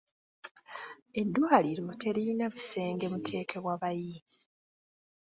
Eddwaliro teririna busenge muteekebwa bayi.